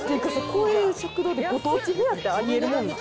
こういう食堂で「ご当地フェア」ってあり得るもんなん？